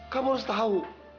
kamu harus tahu